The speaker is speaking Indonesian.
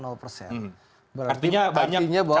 artinya banyak capres makin bagus